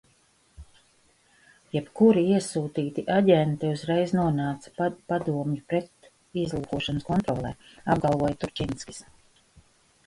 Jebkuri iesūtīti aģenti uzreiz nonāca padomju pretizlūkošanas kontrolē, apgalvoja Turčinskis.